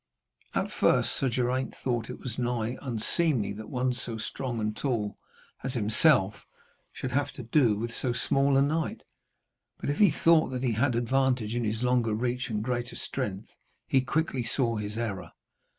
At first Sir Geraint thought it was nigh unseemly that one so strong and tall as himself should have to do with so small a knight; but if he thought that he had advantage in his longer reach and greater strength he quickly saw his error.